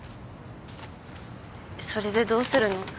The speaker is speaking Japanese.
それでどうするの？